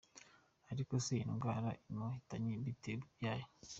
Ariko se iyi ndwara imuhitanye bite byayo?